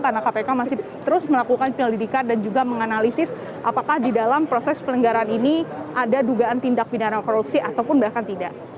karena kpk masih terus melakukan penyelidikan dan juga menganalisis apakah di dalam proses pelenggaran ini ada dugaan tindak pidana korupsi ataupun bahkan tidak